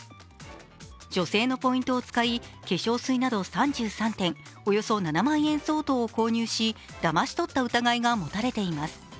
女性のポイントを使い化粧水など３３点、およそ７万円相当を購入し、だまし取った疑いが持たれています。